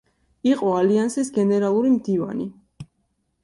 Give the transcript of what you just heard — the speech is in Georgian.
იყო ალიანსის გენერალური მდივანი.